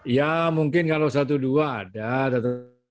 ya mungkin kalau satu dua ada tetap